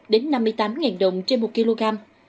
đến năm mươi tám đồng trên một kg